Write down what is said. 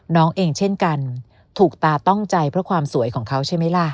น้องเองเช่นกันถูกตาต้องใจเพราะความสวยของเขาใช่ไหมล่ะ